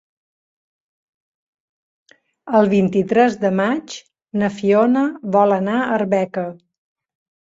El vint-i-tres de maig na Fiona vol anar a Arbeca.